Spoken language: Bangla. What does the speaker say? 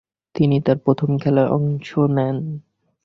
তিনি তার প্রথম খেলায় অংশ নেন।